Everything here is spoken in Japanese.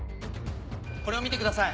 これを見てください。